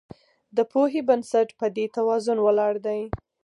د پوهې بنسټ په دې توازن ولاړ دی.